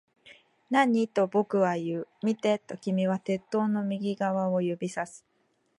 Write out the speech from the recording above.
何？と僕は言う。見て、と君は鉄塔の右側を指差す